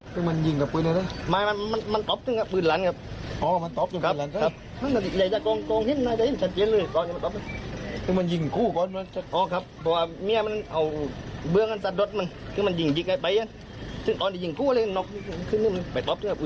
อ๋อนี่ยิงกู้เลยนกขึ้นไปต๊อปเถอะปืนลั้นนะมึงวะ